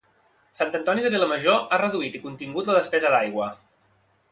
Sant Antoni de Vilamajor ha reduït i contingut la despesa d'aigua